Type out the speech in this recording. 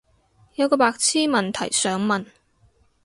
有個白癡問題想問